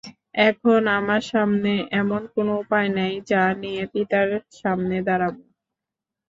এখন আমার সামনে এমন কোন উপায় নেই যা নিয়ে পিতার সামনে দাঁড়াব।